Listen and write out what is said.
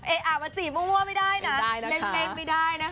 เอามาจีบมั่วไม่ได้นะเล่นเกล็ดไม่ได้นะคะ